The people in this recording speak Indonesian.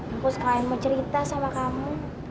aku sekalian mau cerita sama kamu